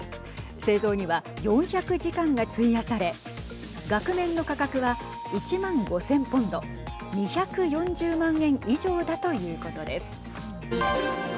製造には４００時間が費やされ額面の価格は１万５０００ポンド２４０万円以上だということです。